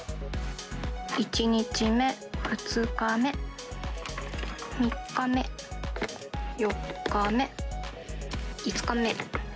１日目、２日目、３日目、４日目、５日目。